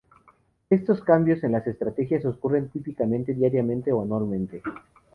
Estos cambios en las estrategias ocurren típicamente diariamente o anualmente.